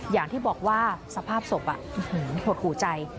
อย่างที่บอกว่าสภาพศพหดหูใจ